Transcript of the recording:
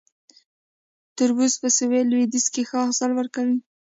تربوز په سویل لویدیځ کې ښه حاصل ورکوي